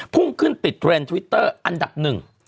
พุ่งขึ้นติดเทรนด์ทวิตเตอร์อันดับหนึ่ง